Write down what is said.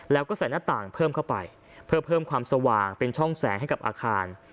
แล้วก็ใส่หน้าต่างเพิ่มเข้าไปเพื่อเพิ่มความสว่างเป็นช่องแสงให้กับอาคาร